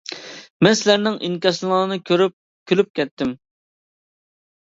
مەن سىلەرنىڭ ئىنكاسىڭلارنى كۆرۈپ كۈلۈپ كەتتىم.